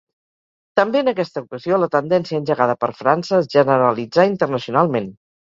També en aquesta ocasió la tendència engegada per França es generalitzà internacionalment.